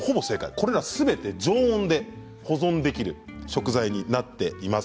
これらすべて常温で保存できる食材になっています。